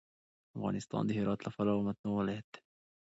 افغانستان د هرات له پلوه متنوع ولایت دی.